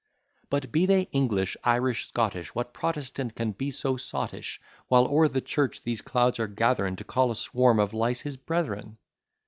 But be they English, Irish, Scottish, What Protestant can be so sottish, While o'er the church these clouds are gathering To call a swarm of lice his brethren?